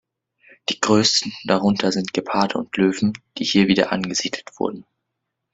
Die größten darunter sind Geparde und Löwen, die hier wieder angesiedelt wurden.